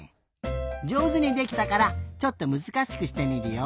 じょうずにできたからちょっとむずかしくしてみるよ。